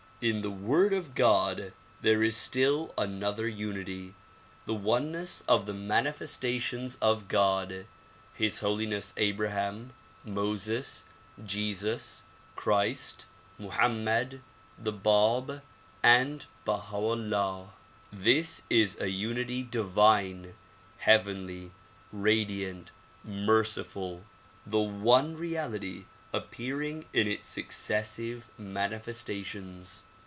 In the Word of God there is still another unity, the oneness of the manifestations of God, His Holiness Abraham, INIoses, Jesus Christ, Mohammed, the Bab and Baha 'Ullah, This is a unity divine, heavenly, radiant, merciful; the one reality appearing in its successive manifestations.